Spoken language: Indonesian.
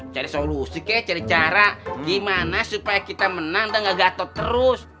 cari solusi kek cari cara gimana supaya kita menang dengan gatot terus